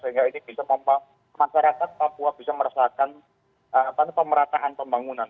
sehingga masyarakat papua bisa merasakan pemerataan pembangunan